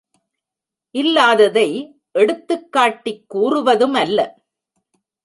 இல்லாததை எடுத்துக் காட்டிக் கூறுவதுமல்ல!